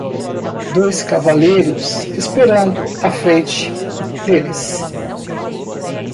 dois cavaleiros esperando à frente deles.